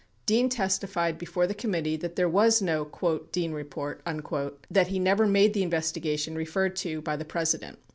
28 Dean testified before the committee that there was no "Dean Report," that he never made the investigation referred to by the President.